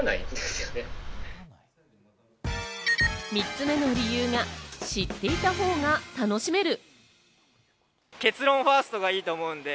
３つ目の理由が知っていたほうが楽しめる。